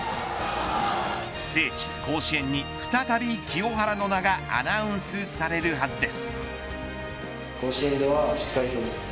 聖地、甲子園に再び清原の名がアナウンスされるはずです。